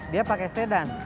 dia pakai sedan